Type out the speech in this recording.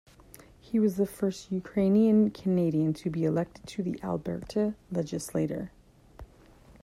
He was the first Ukrainian Canadian to be elected to the Alberta Legislature.